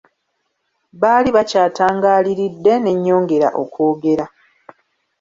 Baali bakyatangaaliridde ne nnyongera okwogera.